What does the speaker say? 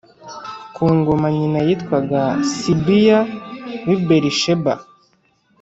ku ngoma Nyina yitwaga Sibiya w i berisheba